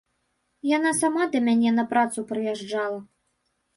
Яна сама да мяне на працу прыязджала.